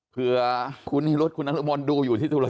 เผื่อคุณนี่รถคุณน้ำมนต์ดูอยู่ที่ตุลกี